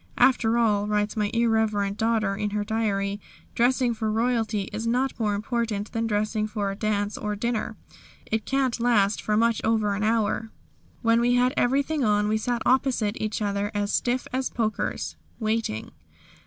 "After all," writes my irreverent daughter in her diary, "dressing for royalty is not more important than dressing for a dance or dinner. It can't last for much over an hour. When we had everything on we sat opposite each other as stiff as pokers waiting."